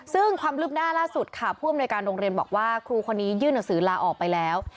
ซึ่งความคืบหน้าล่าสุดค่ะผู้อำนวยการโรงเรียนบอกว่าครูคนนี้ยื่นหนังสือลาออกไปแล้ว